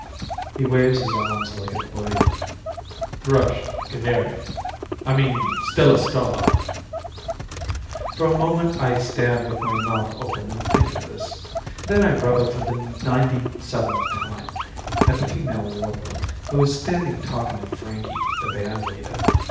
He waves his arms like a bird. "Thrush, canary I mean Stella Starlight." For a minute I stand with my mouth open and think of this. Then I rubber for the ninety seventh time at the female warbler, who is standing talking to Frankie, the band leader.